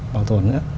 bảo tồn nữa